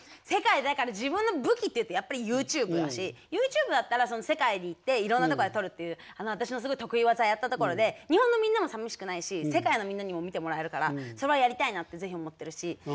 世界だから自分の武器っていうとやっぱりＹｏｕＴｕｂｅだしＹｏｕＴｕｂｅだったら世界に行っていろんな所で撮るっていう私のすごい得意技やったところで日本のみんなもさみしくないし世界のみんなにも見てもらえるからそれはやりたいなって是非思ってるし。